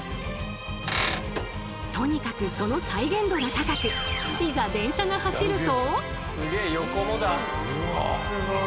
とにかくその再現度が高くいざ電車が走ると。